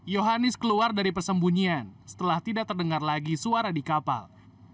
yohanis keluar dari persembunyian setelah tidak terdengar lagi suara di kapal